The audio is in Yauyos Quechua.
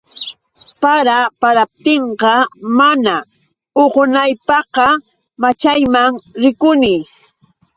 Para paraptinqa, mana uqunaypaqqa, maćhayman rikuni.